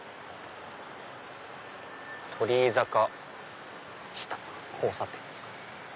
「鳥居坂下」交差点。